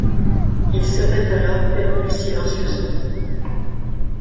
Ils seraient alors perdus silencieusement.